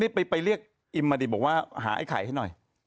ไปเรียกอิมมาดิบอกว่าหาไอ้ไข่ให้หน่อย